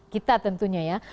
kita tentunya ya